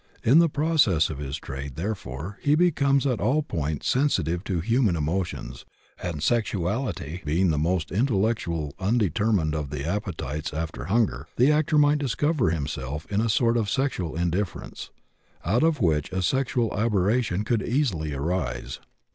In the process of his trade, therefore, he becomes at all points sensitive to human emotions, and, sexuality being the most intellectually undetermined of the appetites after hunger, the actor might discover in himself a sort of sexual indifference, out of which a sexual aberration could easily arise.